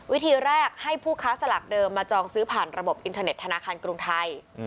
วิธีแรกให้ผู้ค้าสลากเดิมมาจองซื้อผ่านระบบอินเทอร์เน็ตธนาคารกรุงไทย